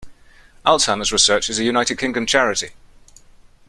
Alzheimer's Research is a United Kingdom charity.